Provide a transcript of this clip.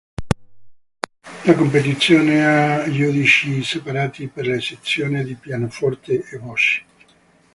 La competizione ha giudici separati per le sezioni di pianoforte e voce.